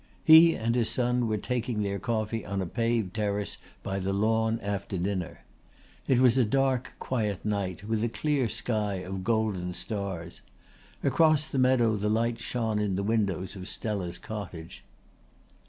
He and his son were taking their coffee on a paved terrace by the lawn after dinner. It was a dark quiet night, with a clear sky of golden stars. Across the meadow the lights shone in the windows of Stella's cottage.